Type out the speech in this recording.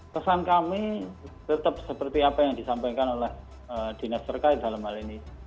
pesan kami tetap seperti apa yang disampaikan oleh dinas terkait dalam hal ini